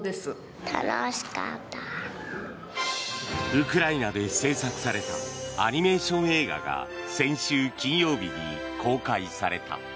ウクライナで制作されたアニメーション映画が先週金曜日に公開された。